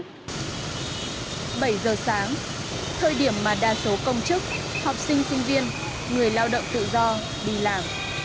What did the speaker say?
bảy giờ sáng thời điểm mà đa số công chức học sinh sinh viên người lao động tự do đi làm